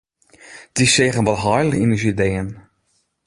Dy seagen wol heil yn ús ideeën.